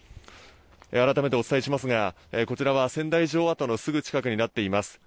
あらためてお伝えしますがこちらは仙台城跡のすぐ近くになっています。